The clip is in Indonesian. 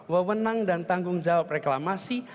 wewenang dan tanggung jawab reklamasi